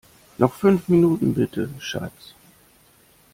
Noch fünf Minuten bitte, Schatz!